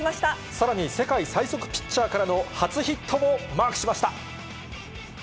さらに世界最速ピッチャーからの初ヒットもマークしました。